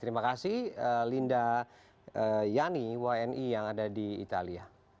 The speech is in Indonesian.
terima kasih linda yanni yni yang ada di italia